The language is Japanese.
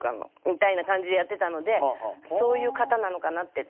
みたいな感じでやってたのでそういう方なのかなって。